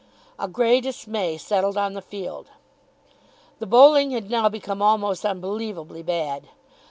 A grey dismay settled on the field. The bowling had now become almost unbelievably bad.